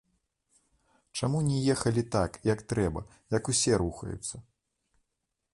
Чаму не ехалі так, як трэба, як усе рухаюцца?